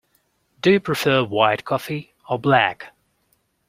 Do you prefer white coffee, or black?